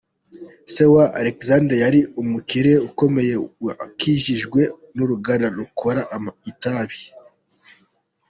Se wa Alexandre yari umukire ukomeye wakijijwe n’uruganda rukora itabi.